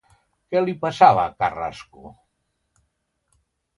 Què li passava a Carrasco?